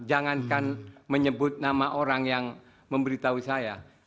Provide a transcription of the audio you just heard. jangankan menyebut nama orang yang memberitahu saya